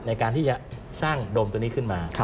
ในการที่จะสร้างโดมตัวนี้ขึ้นมา